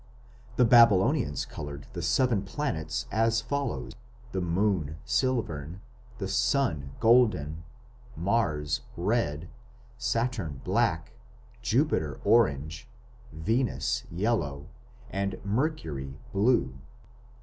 The Babylonians coloured the seven planets as follows: the moon, silvern; the sun, golden; Mars, red; Saturn, black; Jupiter, orange; Venus, yellow; and Mercury, blue.